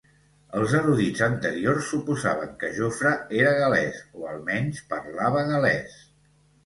Els erudits anteriors suposaven que Jofre era gal·lès o almenys parlava gal·lès.